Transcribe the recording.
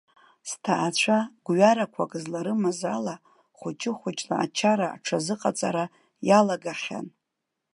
Сҭаацәа, гәҩарақәак зларымаз ала, хәыҷы-хәыҷла ачара аҽазыҟаҵара иалагахьан.